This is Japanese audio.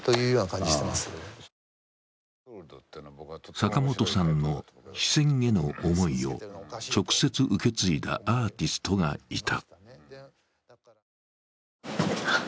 坂本さんの非戦への思いを直接、受け継いだアーティストがいた。